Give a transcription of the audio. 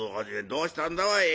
「どうしたんだおい。